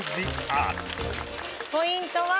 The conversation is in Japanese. ポイントは。